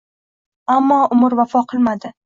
Ammo, umr vafo qilmadi…